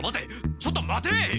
ちょっと待て！